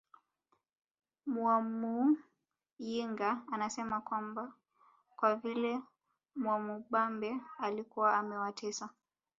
Mwamuyinga anasema kwamba kwa vile Mwamubambe alikuwa amewatesa